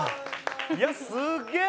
いやすげえ！